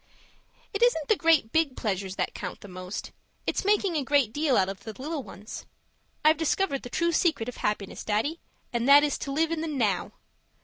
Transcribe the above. It isn't the great big pleasures that count the most; it's making a great deal out of the little ones I've discovered the true secret of happiness, Daddy, and that is to live in the now.